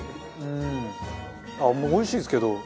あっおいしいですけど。